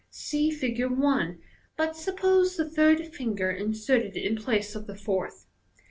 (See Fig. i, but suppose the third finger in serted in place of the fourth.)